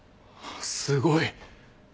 すごい。